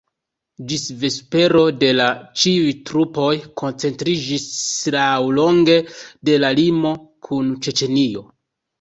Ĝis vespero de la ĉiuj trupoj koncentriĝis laŭlonge de la limo kun Ĉeĉenio.